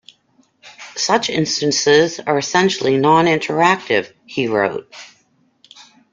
"Such instances are essentially noninteractive", he wrote.